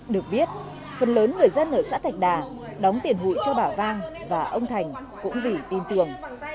được biết phần lớn người dân ở xã thạch đà đóng tiền hụi cho bà vang và ông thành cũng vì tin tưởng